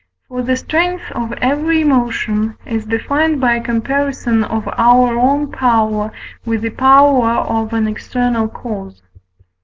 For the strength of every emotion is defined by a comparison of our own power with the power of an external cause.